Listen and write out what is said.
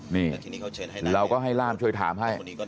นี่เราก็ให้ร่ามช่วยถามให้